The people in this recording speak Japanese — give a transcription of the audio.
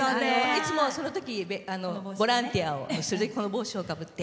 いつも、そのときボランティアをするときこの帽子をかぶって。